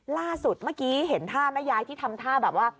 ล่าสุดเมื่อกี้เห็นท่าแม่ยายที่ทำท่าแบบว่า